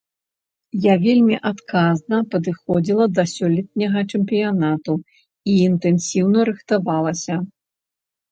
Я вельмі адказна падыходзіла да сёлетняга чэмпіянату і інтэнсіўна рыхтавалася.